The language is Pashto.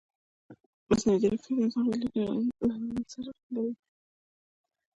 مصنوعي ځیرکتیا د انسان راتلونکی له نن سره نښلوي.